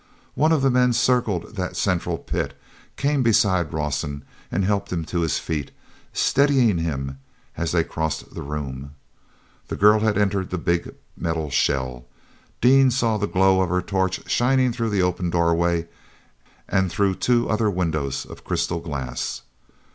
One of the men circled that central pit, came beside Rawson and helped him to his feet, steadying him as they crossed the room. The girl had entered the big metal shell. Dean saw the glow of her torch shining through the open doorway and through two other windows of crystal glass.